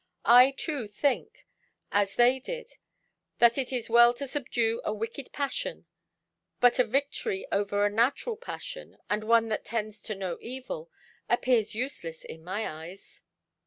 I too think, as they did, that it is well to subdue a wicked passion, but a victory over a natural passion, and one that tends to no evil, appears useless in my eyes."